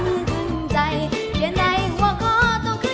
ใบเตยเลือกใช้ได้๓แผ่นป้ายตลอดทั้งการแข่งขัน